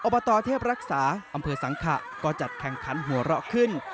บตเทพรักษาอำเภอสังขะก็จัดแข่งขันหัวเราะขึ้น